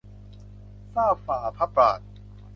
ทราบฝ่าพระบาท